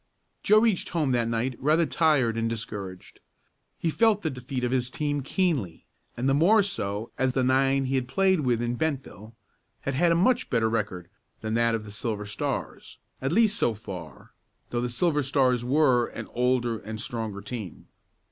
Joe reached home that night rather tired and discouraged. He felt the defeat of his team keenly, and the more so as the nine he had played with in Bentville had had a much better record than that of the Silver Stars at least so far, though the Silver Stars were an older and stronger team.